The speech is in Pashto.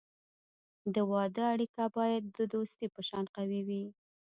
د واده اړیکه باید د دوستی په شان قوي وي.